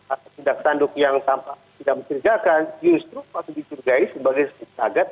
atau tindak sanduk yang tampak tidak mencerjakan justru pasti dicurigai sebagai target